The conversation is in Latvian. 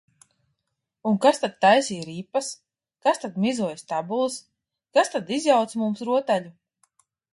Un kas tad taisīja ripas, kas tad mizoja stabules, kas tad izjauca mums rotaļu?